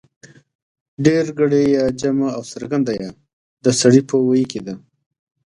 ډېرگړې يا جمع او څرگنده يا د سړي په ویي کې ده